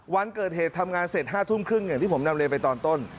วันเกิดเหตุทำงานเสร็จ๕ทุ่มครึ่งอย่างที่ผมนำเรียนไปตอนต้น